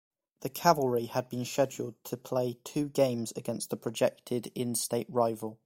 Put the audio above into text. The Cavalry had been scheduled to play two games against the projected in-state rival.